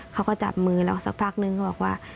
เขาก็จับมือแล้วสักพักนึงเขาบอกว่า